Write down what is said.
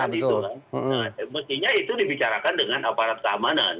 mestinya itu dibicarakan dengan aparatur keamanan